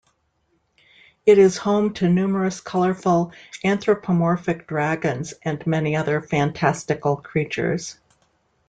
It is home to numerous colorful, anthropomorphic dragons and many other fantastical creatures.